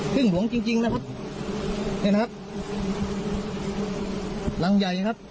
ซึ่งหลวงจริงจริงนะครับเนี่ยนะครับรังใหญ่นะครับ